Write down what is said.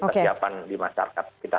kesiapan di masyarakat kita